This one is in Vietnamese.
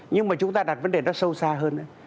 nhưng mà chúng ta đặt vấn đề đó sâu xa hơn